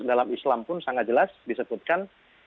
dalam islam pun sangat jelas disebutkan